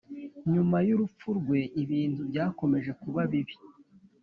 nyuma y urupfu rwe ibintu byakomeje kuba bibi